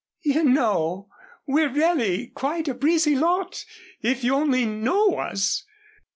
"You know we're really quite a breezy lot, if you only know us.